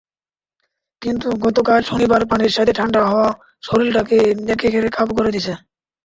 কিন্তু গতকাইল শনিবার পানির সাথে ঠান্ডা হাওয়া শরীলটাক একখেরে কাবু করে দিছে।